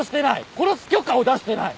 殺す許可を出してない！